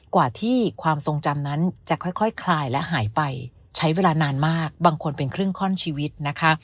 กว่าที่ความทรงจำนั้นจะค่อยคลายและหายไปใช้เวลานานมากบางคนเป็นครึ่งข้อนชีวิตนะคะ